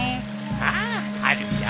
ああるよ。